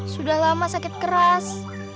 sudah lama sakit keras